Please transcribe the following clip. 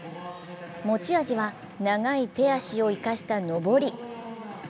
持ち味は長い手足を生かした登り。